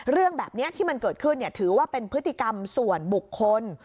เรื่องแบบนี้ที่มันเกิดขึ้นถือว่าเป็นพฤติกรรมส่วนบุคคล